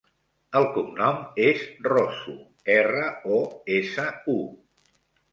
El cognom és Rosu: erra, o, essa, u.